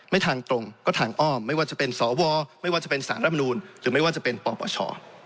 ทางตรงก็ทางอ้อมไม่ว่าจะเป็นสวไม่ว่าจะเป็นสารรับนูลหรือไม่ว่าจะเป็นปปช